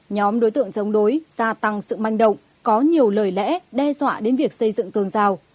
nhóm đối tượng chống đối gia tăng sự manh động có nhiều lời lẽ đe dọa đến việc xây dựng tường rào